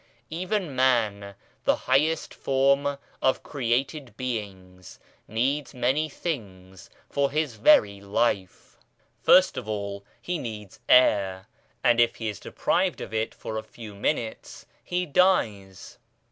Even man, the highest form of created beings, needs many things for his very life : first of all he needs air, and if he is deprived of it for a few minutes, he dies.